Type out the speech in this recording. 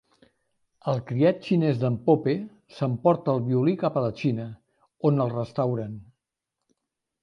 El criat xinès d'en Pope, s'emporta el violí cap a la Xina, on el restauren.